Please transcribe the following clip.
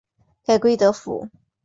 改归德府。